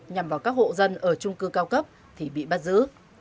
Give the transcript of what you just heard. nhằm vào các hộ dân ở trung cư cao cấp thì bị bắt giữ